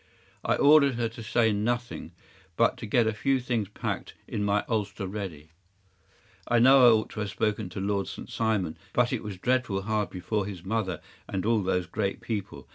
I ordered her to say nothing, but to get a few things packed and my ulster ready. I know I ought to have spoken to Lord St. Simon, but it was dreadful hard before his mother and all those great people.